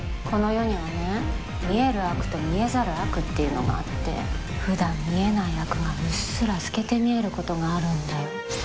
この世にはね見える悪と見えざる悪っていうのがあってふだん見えない悪がうっすら透けて見えることがあるんだよ